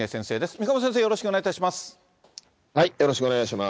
三鴨先生、よろしくお願いします。